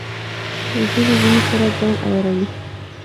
وزې له ژمې سره ځان عیاروي